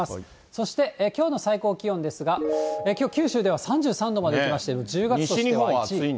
そして、きょうの最高気温ですが、きょう、九州では３３度までいきまして、１０月としては１位。